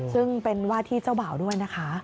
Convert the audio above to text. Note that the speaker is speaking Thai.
ซึ่งเป็นว่าที่เจ้าบ่าวด้วยนะคะ